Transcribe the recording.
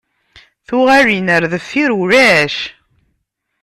Tuɣalin ɣer deffir ulac!